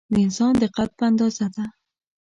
د انسان د قد په اندازه ده.